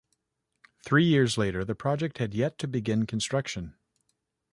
Three years later, the project had yet to begin construction.